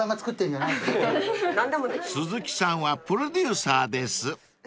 ［鈴木さんはプロデューサーです］